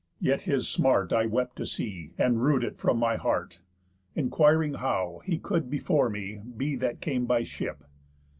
Yet his smart I wept to see, and rued it from my heart, Enquiring how he could before me be That came by ship?